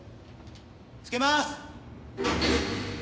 つけます！